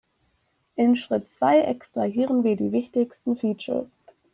In Schritt zwei extrahieren wir die wichtigsten Features.